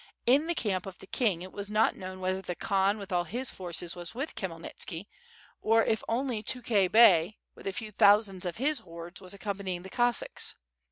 In the camp of the king it was not known whether the Khan with all his forces was with Khmy elnitski, or if only Tukhay Bey with a few thousands of his hordes was accompanying the Cossacks.